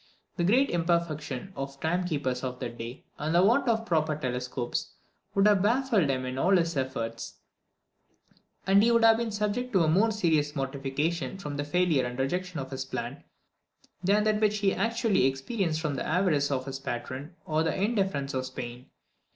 The great imperfection of the time keepers of that day, and the want of proper telescopes, would have baffled him in all his efforts, and he would have been subject to a more serious mortification from the failure and rejection of his plan, than that which he actually experienced from the avarice of his patron, or the indifference of Spain.